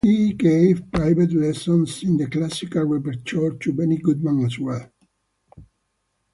He gave private lessons in the classical repertoire to Benny Goodman as well.